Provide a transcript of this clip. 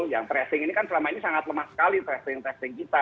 yang tracing ini kan selama ini sangat lemah sekali tracing testing kita